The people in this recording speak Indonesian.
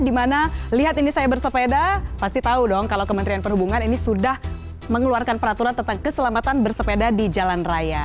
dimana lihat ini saya bersepeda pasti tahu dong kalau kementerian perhubungan ini sudah mengeluarkan peraturan tentang keselamatan bersepeda di jalan raya